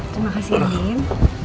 terima kasih andin